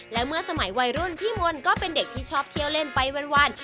และเมื่อสมัยวัยรุ่นพี่มนต์ก็เป็นเด็กที่ชอบเที่ยวเล่นไปวัน